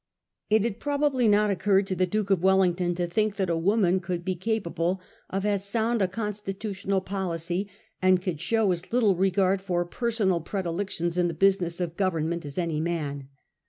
It had probably not occurred to the Duke of Welling ton to think that a woman could be capable of as sound a constitutional policy, and could show as little regard for personal predilections in the business of government as any man.